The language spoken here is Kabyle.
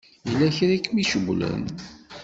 Yella kra i kem-icewwlen?